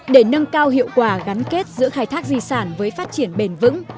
để nâng cao hiệu quả gắn kết giữa khai thác di sản với phát triển bền vững